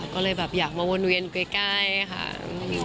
ก็เลยอยากมาวนเวียนใกล้